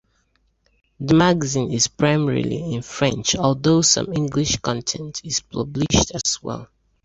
The magazine is primarily in French, although some English content is published as well.